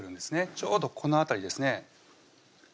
ちょうどこの辺りですね